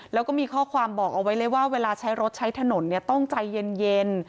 แล้วก็มีข้อความบอกเอาไว้เลยว่าเวลาใช้รถใช้ถนนต้องใจเย็น